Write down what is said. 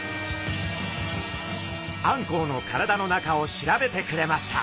あんこうの体の中を調べてくれました。